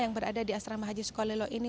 yang berada di asrama haji sukolelo ini